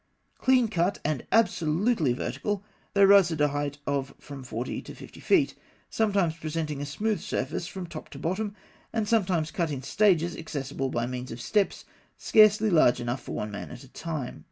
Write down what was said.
Clean cut and absolutely vertical, they rise to a height of from forty to fifty feet, sometimes presenting a smooth surface from top to bottom, and sometimes cut in stages accessible by means of steps scarcely large enough for one man at a time.